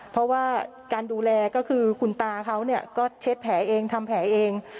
เพราะว่าการดูแลก็คือคุณตาเขาก็เช็ดแผลเองทำแผลเอง